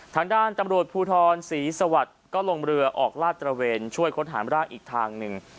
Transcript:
ทางด้านตำรวจภูทรศรีสวัสดิ์ก็ลงเรือออกลาดตระเวนช่วยค้นหามร่างอีกทางหนึ่ง